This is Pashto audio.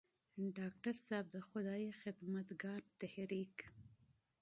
ډاکټر صېب د خدائ خدمتګار تحريک